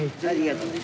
ありがと。